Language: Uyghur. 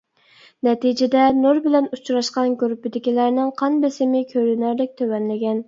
نەتىجىدە، نۇر بىلەن ئۇچراشقان گۇرۇپپىدىكىلەرنىڭ قان بېسىمى كۆرۈنەرلىك تۆۋەنلىگەن.